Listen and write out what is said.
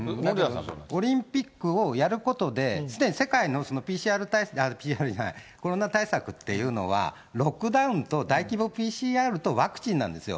オリンピックをやることで、すでに世界のコロナ対策っていうのは、ロックダウンと大規模ＰＣＲとワクチンなんですよ。